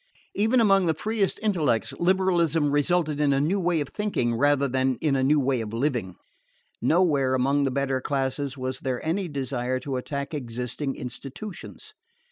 Even among the freest intellects liberalism resulted in a new way of thinking rather in a new way of living. Nowhere among the better classes was there any desire to attack existing institutions.